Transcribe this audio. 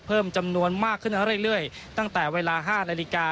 เพิ่มจำนวนมากขึ้นเรื่อยตั้งแต่เวลา๕นาฬิกา